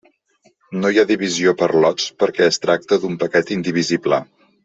No hi ha divisió per lots perquè es tracta d'un paquet indivisible.